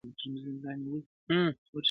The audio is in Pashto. زه مرکز د دایرې یم هم اجزاء هم کل عیان یم،